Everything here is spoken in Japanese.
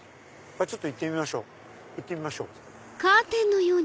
ちょっと行ってみましょう行ってみましょう。